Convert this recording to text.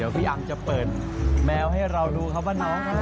พี่อำจะเปิดแมวให้เราดูครับว่าน้อง